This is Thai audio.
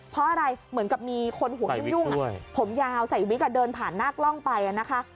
เพราะอะไรเหมือนกับมีคนหัวยุ่งผมยาวใส่วิกเดินผ่านหน้ากล้องไปนะคะ